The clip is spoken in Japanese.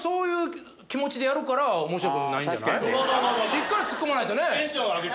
しっかりツッコまないと。